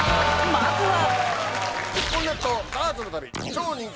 まずは！